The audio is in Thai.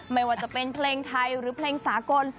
ไม่ว่าจะเป็นเพลงไทยหรือเพลงสากล